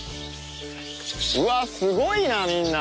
うわあすごいなみんな。